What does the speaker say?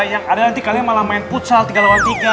yang ada nanti kalian malah main futsal tiga lawan tiga